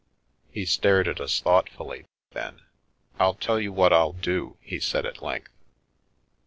He stared at us thoughtfully, then :" I'll tell you what I'll do," he said at length.